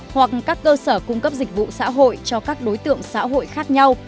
hoặc các cơ sở cung cấp dịch vụ xã hội cho các đối tượng xã hội khác nhau